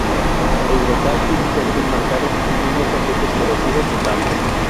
El brocal tiene un perfil marcado, y no muestra efectos erosivos notables.